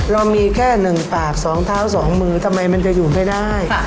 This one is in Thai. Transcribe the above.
เรามีแค่๑ปาก๒เท้า๒มือทำไมมันจะอยู่ไม่ได้